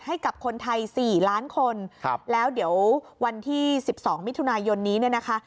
ให้กับคนไทยสี่ล้านคนครับแล้วเดี๋ยววันที่สิบสองมิถุนายนนี้เนี่ยนะคะ